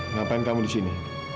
ngapain kamu disini